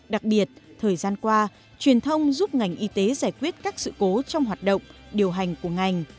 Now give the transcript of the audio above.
đặc biệt thời gian qua truyền thông giúp ngành y tế giải quyết các sự cố trong hoạt động điều hành của ngành